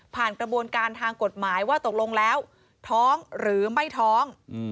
กระบวนการทางกฎหมายว่าตกลงแล้วท้องหรือไม่ท้อง